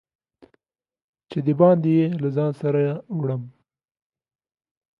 چې د باندي یې له ځان سره وړم